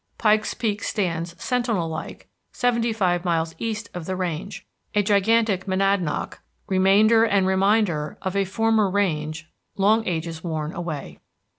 Pikes Peak stands sentinel like seventy five miles east of the range, a gigantic monadnock, remainder and reminder of a former range long ages worn away.